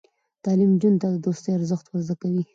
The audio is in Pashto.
تعلیم نجونو ته د دوستۍ ارزښت ور زده کوي.